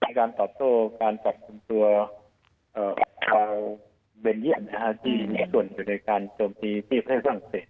ในการตอบโทรการตอบคุมตัวเบนเยี่ยมที่ส่วนอยู่ในการโจมตีที่ประเทศอังเศษ